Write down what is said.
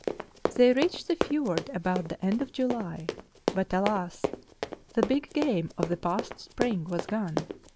They reached the fiord about the end of July, but alas! the big game of the past spring was gone!